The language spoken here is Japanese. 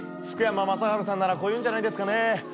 福山雅治さんなら、こう言うんじゃないですかね。